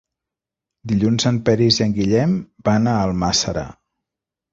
Dilluns en Peris i en Guillem van a Almàssera.